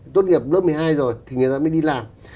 tốt nghiệp lớp một mươi hai rồi thì người ta mới đi làm